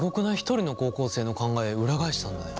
１人の高校生の考えを裏返したんだよ。